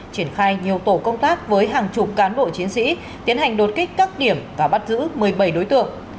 triển khai nhiều tổ công tác với hàng chục cán bộ chiến sĩ tiến hành đột kích các điểm và bắt giữ một mươi bảy đối tượng